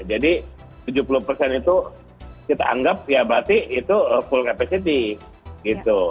jadi tujuh puluh persen itu kita anggap ya berarti itu full capacity gitu